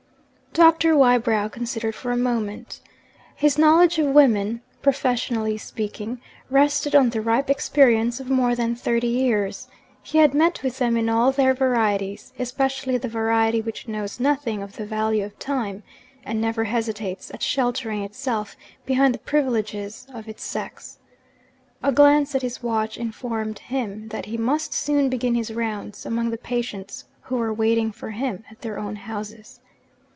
Doctor Wybrow considered for a moment. His knowledge of women (professionally speaking) rested on the ripe experience of more than thirty years; he had met with them in all their varieties especially the variety which knows nothing of the value of time, and never hesitates at sheltering itself behind the privileges of its sex. A glance at his watch informed him that he must soon begin his rounds among the patients who were waiting for him at their own houses.